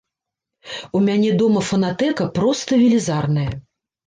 У мяне дома фанатэка проста велізарная!